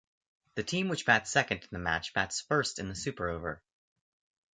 The team which bats second in the match bats first in the Super Over.